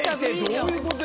どういうことや？